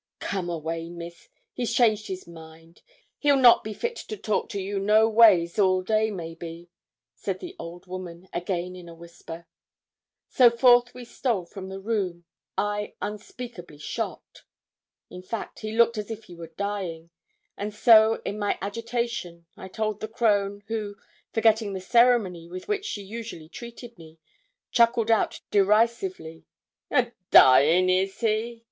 'Come away, miss: he's changed his mind; he'll not be fit to talk to you noways all day, maybe,' said the old woman, again in a whisper. So forth we stole from the room, I unspeakably shocked. In fact, he looked as if he were dying, and so, in my agitation, I told the crone, who, forgetting the ceremony with which she usually treated me, chuckled out derisively, 'A dying is he?